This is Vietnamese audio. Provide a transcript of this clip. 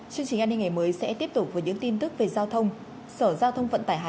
chương trình an ninh ngày mới sẽ tiếp tục với những tin tức về giao thông sở giao thông vận tải hà nội